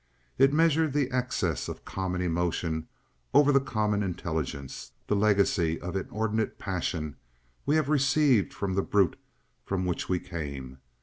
It measured the excess of common emotion over the common intelligence, the legacy of inordinate passion we have received from the brute from which we came.